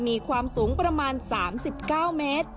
มีความสูงประมาณ๓๙เมตร